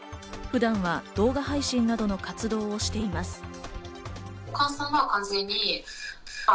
普段は動画配信などの活動をしています。